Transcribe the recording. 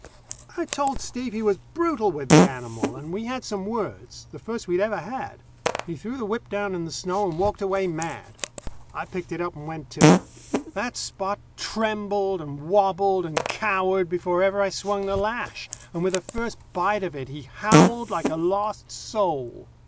I told Steve he was brutal with the animal, and we had some words the first we'd ever had. He threw the whip down in the snow and walked away mad. I picked it up and went to it. That Spot trembled and wobbled and cowered before ever I swung the lash, and with the first bite of it he howled like a lost soul.